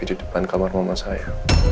di depan kamar mama saya